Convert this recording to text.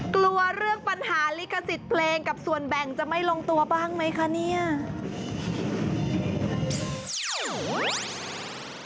กลัวเรื่องปัญหาลิขสิทธิ์เพลงกับส่วนแบ่งจะไม่ลงตัวบ้างไหมคะเนี่ย